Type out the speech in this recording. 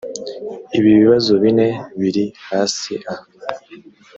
ibi bibazo bine biri hasi aha